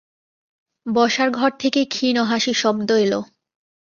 বসার ঘর থেকে ক্ষীণ হাসির শব্দ এল।